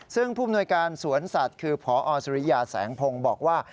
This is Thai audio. ซึ่งผู้มนวยการสวนสัตว์คือพอสุริยาแสงพงศ์บอกว่า